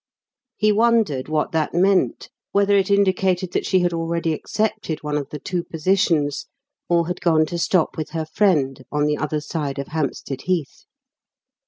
He wondered what that meant whether it indicated that she had already accepted one of the two positions, or had gone to stop with her friend on the other side of Hampstead Heath.